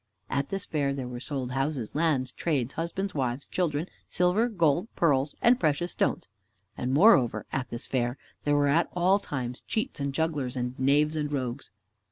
At this fair there were sold houses, lands, trades, husbands, wives, children, silver, gold, pearls, and precious stones. And, moreover, at this fair, there were at all times cheats and jugglers and knaves and rogues.